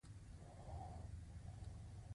د تور سوري افق پیښې محدوده وي.